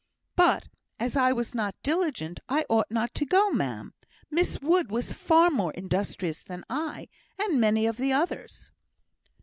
"But as I was not diligent I ought not to go, ma'am. Miss Wood was far more industrious than I, and many of the others."